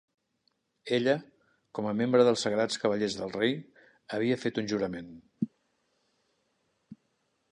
Ella, com a membre dels sagrats cavallers del rei, havia fet un jurament.